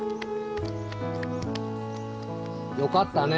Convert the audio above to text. よかったね。